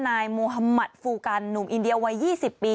นายโมฮามัติฟูกันหนุ่มอินเดียวัย๒๐ปี